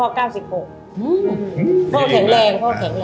พ่อแข็งแรง